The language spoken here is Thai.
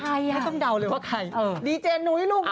ให้ต้องเดาเลยว่าใครดีเจนุ้ยลูก